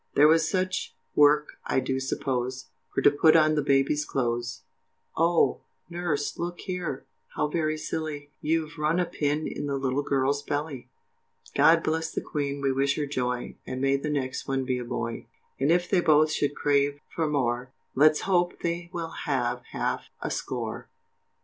There was such work I do suppose, For to put on the baby's clothes, Oh, nurse, look here, how very silly, You've run a pin in the little girl's belly. God bless the Queen, we wish her joy, And may the next one be a boy, And if they both should crave for more Let's hope they will have half a score.